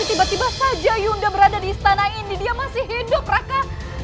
tiba tiba saja yuda berada di istana ini dia masih hidup raka